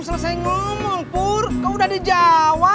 aiar ga aku berjaya